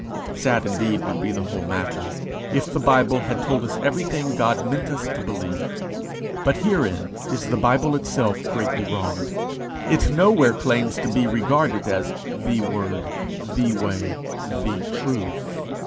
Sad, indeed, would the whole matter be, if the Bible had told us everything God meant us to believe. But herein is the Bible itself greatly wronged. It nowhere lays claim to be regarded as the Word, the Way, the Truth.